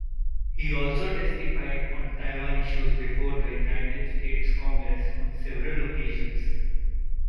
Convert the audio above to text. He also testified on Taiwan issues before the United States Congress on several occasions.